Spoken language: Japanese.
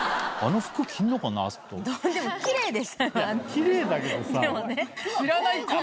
キレイだけどさ。